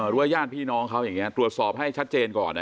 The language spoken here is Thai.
ญาติพี่น้องเขาอย่างนี้ตรวจสอบให้ชัดเจนก่อน